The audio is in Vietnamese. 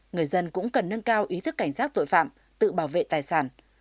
người dân cũng cần nâng cao ý thức cảnh giác tội phạm tự bảo vệ tài sản